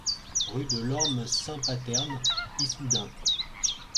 Rue de l'Orme Saint-Paterne, Issoudun